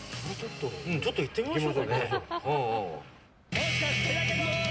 ちょっと行ってみましょうかね。